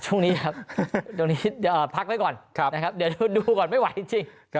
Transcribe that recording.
ช่วงนี้ครับตรงนี้เดี๋ยวพักไว้ก่อนนะครับเดี๋ยวดูก่อนไม่ไหวจริง